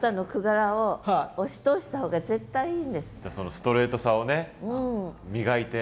そのストレートさをね磨いて。